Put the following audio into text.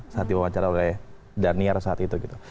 saat di wawancara oleh daniel saat itu